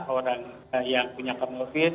orang yang punya covid